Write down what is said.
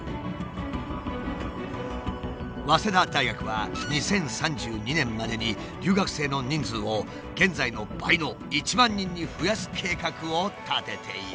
早稲田大学は２０３２年までに留学生の人数を現在の倍の１万人に増やす計画を立てている。